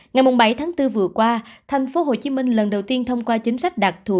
ngày bảy tháng bốn vừa qua thành phố hồ chí minh lần đầu tiên thông qua chính sách đặc thù